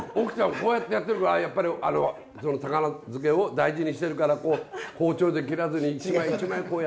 こうやってやってるからやっぱり高菜漬けを大事にしてるから包丁で切らずに一枚一枚やってるんだなって。